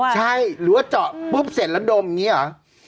ใช่หรือว่าเจาะปุ๊บเสร็จแล้วดมอย่างนี้เหรอ